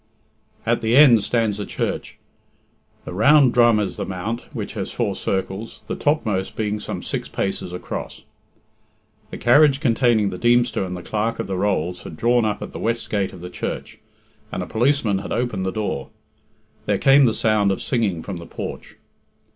At the end stands a church. The round drum is the mount, which has four circles, the topmost being some six paces across. The carriage containing the Deemster and the Clerk of the Bolls had drawn up at the west gate of the church, and a policeman had opened the door. There came the sound of singing from the porch.